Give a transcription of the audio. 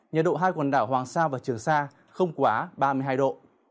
nhiệt độ hai quần đảo hoàng sa và trường sa không quá ba mươi hai độ